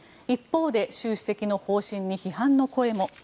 一方で習主席の方針に批判の声も。